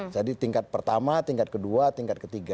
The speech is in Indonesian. jadi tingkat pertama tingkat kedua tingkat ketiga